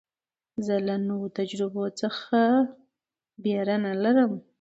زه له نوو تجربو څخه بېره نه لرم.